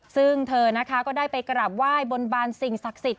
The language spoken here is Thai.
ซึ่งเธอนะคะก็ได้ไปกราบไหว้บนบานสิ่งศักดิ์สิทธิ